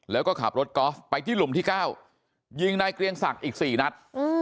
แล้วก็ขับรถกอฟไปที่หลุมที่เก้ายิงในเกลียงศักดิ์อีกสี่นัด